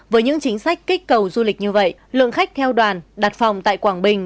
với những chính sách kích cầu du lịch như vậy lượng khách theo đoàn đặt phòng tại quảng bình